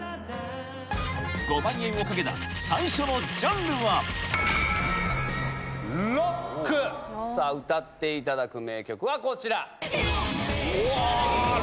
５万円を懸けた最初のジャンルは「ロック」歌っていただく名曲はこちら。